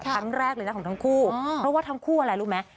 ครั้งแรกเลยนะของทั้งคู่เพราะว่าทั้งคู่อะไรรู้ไหม